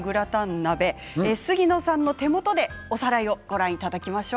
鍋杉野さんの手元でおさらいをご覧いただきましょう。